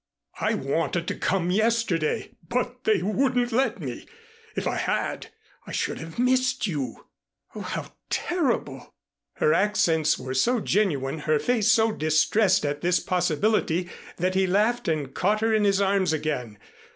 I wanted to come yesterday, but they wouldn't let me. If I had I should have missed you." "Oh how terrible!" Her accents were so genuine, her face so distressed at this possibility, that he laughed and caught her in his arms again.